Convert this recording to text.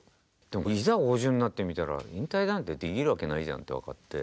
でもいざ５０になってみたら引退なんてできるわけないじゃんって分かって。